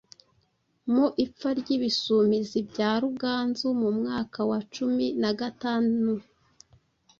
mu ipfa ry’Ibisumizi bya Ruganzu, mu mwaka wa cumi nagatanu.